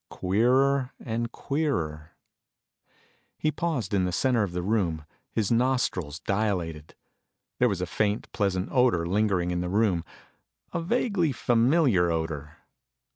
Queerer and queerer. He paused in the center of the room, his nostrils dilated. There was a faint, pleasant odor lingering in the room a vaguely familiar odor.